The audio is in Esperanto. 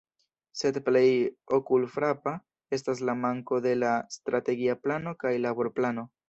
Sed plej okulfrapa estas la manko de la “Strategia Plano kaj Laborplano”.